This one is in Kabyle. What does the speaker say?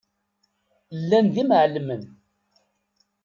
Llan d imεellmen.